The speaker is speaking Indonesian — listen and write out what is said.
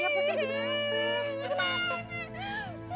aduh gimana ini